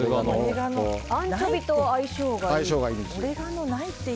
アンチョビと相性がいいんですね。